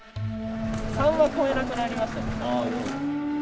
３は超えなくなりましたね。